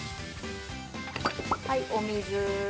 はい、お水。